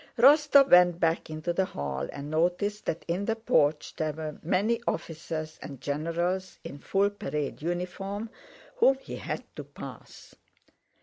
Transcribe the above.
Rostóv went back into the hall and noticed that in the porch there were many officers and generals in full parade uniform, whom he had to pass.